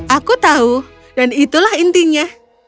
aku tahu dan itulah intinya